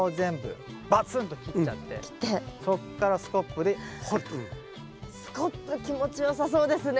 スコップ気持ちよさそうですね。